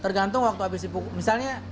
tergantung waktu abis dipukul misalnya